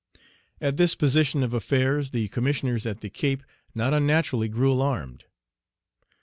At this position of affairs, the Commissioners at the Cape not Page 66 unnaturally grew alarmed.